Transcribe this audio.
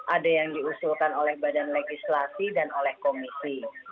ada yang diusulkan oleh badan legislasi dan oleh komisi